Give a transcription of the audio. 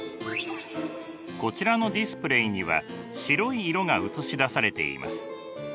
こちらのディスプレイには白い色が映し出されています。